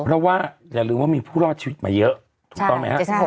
เพราะว่าอย่าลืมว่ามีผู้รอดชีวิตมาเยอะถูกต้องไหมครับ